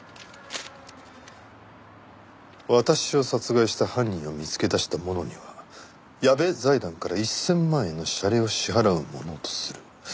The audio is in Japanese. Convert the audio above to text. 「私を殺害した犯人を見つけ出した者には矢部財団から壱千万円の謝礼を支払うものとする」